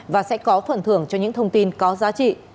và sẽ có phần thưởng cho những thông tin có giá trị